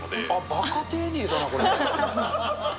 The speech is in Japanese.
ばか丁寧だな、これ。